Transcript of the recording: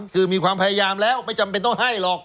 คือมีความพยายามแล้วไม่จำเป็นต้องให้หรอก